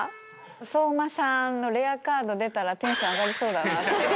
ソウマさんのレアカード出たら、テンション上がりそうだな。